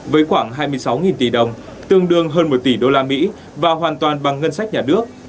với khoảng hai mươi sáu tỷ đồng tương đương hơn một tỷ đô la mỹ và hoàn toàn bằng ngân sách nhà nước